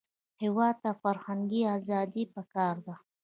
هېواد ته فرهنګي ازادي پکار ده